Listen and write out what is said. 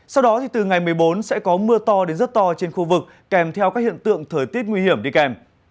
sau đó từ ngày một mươi bốn sẽ có mưa to đến rất to trên khu vực kèm theo các hiện tượng thời tiết nguy hiểm đi kèm